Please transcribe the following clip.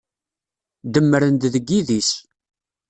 Demmren-d deg yidis.